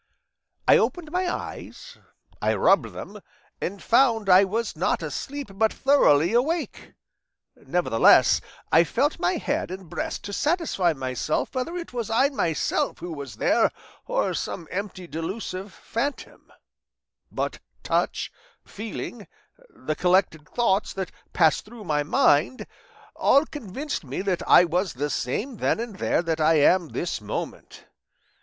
I opened my eyes, I rubbed them, and found I was not asleep but thoroughly awake. Nevertheless, I felt my head and breast to satisfy myself whether it was I myself who was there or some empty delusive phantom; but touch, feeling, the collected thoughts that passed through my mind, all convinced me that I was the same then and there that I am this moment.